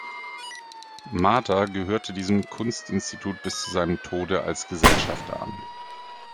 Mader gehörte diesem Kunstinstitut bis zu seinem Tode als Gesellschafter an.